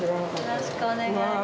よろしくお願いします